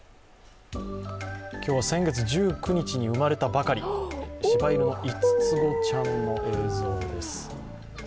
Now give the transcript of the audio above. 今日は先月１９日に生まれたばかり、しば犬の５つ子ちゃんの映像です。